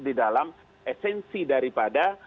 di dalam esensi daripada